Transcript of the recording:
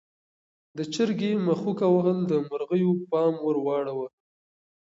د چرګې مښوکه وهل د مرغیو پام ور واړاوه.